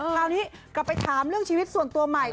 คราวนี้กลับไปถามเรื่องชีวิตส่วนตัวใหม่